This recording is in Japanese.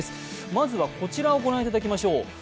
まずはこちらをご覧いただきましょう。